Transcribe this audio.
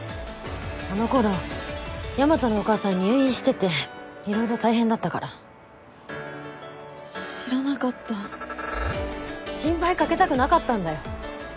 あの頃大和のお母さん入院してて色々大変だったから知らなかった心配かけたくなかったんだよ